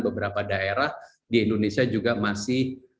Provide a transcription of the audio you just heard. beberapa daerah di indonesia juga masih